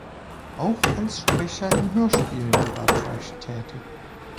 Auch als Sprecher in Hörspielen war Trash tätig.